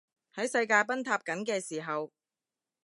喺世界崩塌緊嘅時候